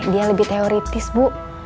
dia lebih teoritis bu